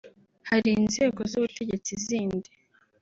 hari inzego z’ubutegetsi zindi